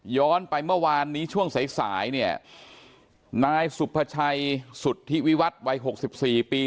ไปเมื่อวานนี้ช่วงสายสายเนี่ยนายสุภาชัยสุธิวิวัตรวัย๖๔ปี